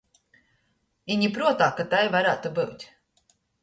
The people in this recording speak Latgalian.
I ni pruotā, ka tai varātu byut.